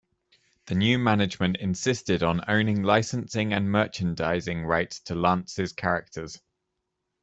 The new management insisted on owning licensing and merchandising rights to Lantz's characters.